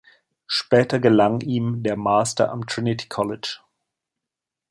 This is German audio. Später gelang ihm der Master am Trinity College.